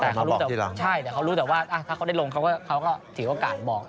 แต่เขารู้แต่ใช่แต่เขารู้แต่ว่าถ้าเขาได้ลงเขาก็ถือโอกาสบอก